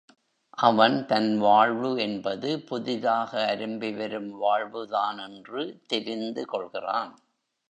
அவன் தன் வாழ்வு என்பது புதிதாக அரும்பிவரும் வாழ்வுதான் என்று தெரிந்துகொள்கிறான்.